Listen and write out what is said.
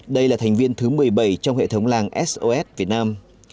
đây là thành viên thứ một mươi bảy trong hệ thống làng sos việt nam